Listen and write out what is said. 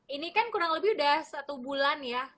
ini kan kurang lebih udah satu bulan ya